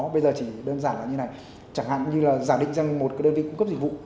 bây giờ chỉ đơn giản là như này chẳng hạn như là giả định danh một cái đơn vị cung cấp dịch vụ